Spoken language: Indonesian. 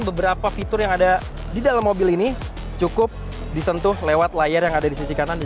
beberapa fitur yang ada di dalam mobil ini cukup disentuh lewat layar yang ada di sisi kanan